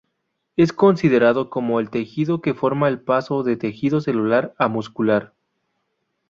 Es considerado como el tejido que forma el paso de tejido celular a muscular.